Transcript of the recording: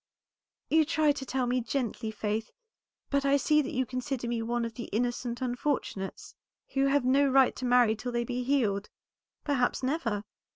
"You try to tell me gently, Faith, but I see that you consider me one of the innocent unfortunates, who have no right to marry till they be healed, perhaps never.